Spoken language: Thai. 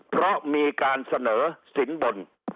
เพราะมีการเสนอสินบน